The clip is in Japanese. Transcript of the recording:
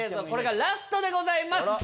これがラストでございます。